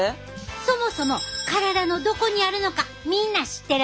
そもそも体のどこにあるのかみんな知ってる？